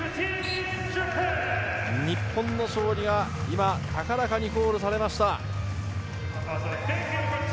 日本の勝利が今、高らかにコールされました。